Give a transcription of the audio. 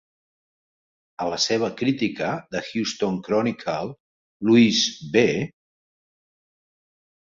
A la seva crítica de "Houston Chronicle", Louis B.